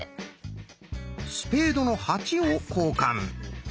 「スペードの８」を交換。